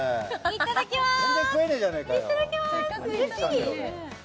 いただきます。